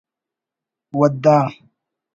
ودا